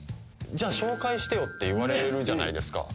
「じゃあ紹介してよ」って言われるじゃないですか。